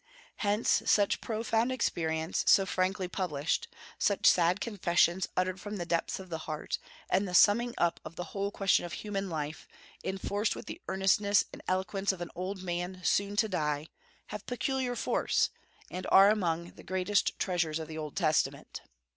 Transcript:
Hence, such profound experience so frankly published, such sad confessions uttered from the depths of the heart, and the summing up of the whole question of human life, enforced with the earnestness and eloquence of an old man soon to die, have peculiar force, and are among the greatest treasures of the Old Testament.